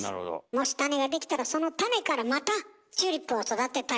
もし種が出来たらその種からまたチューリップを育てたいと。